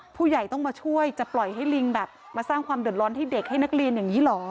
ผู้ใหญ่ต้องมาช่วยจะปล่อยให้ลิงแบบมาสร้างความเดือดร้อนให้เด็กให้นักเรียนอย่างนี้เหรอ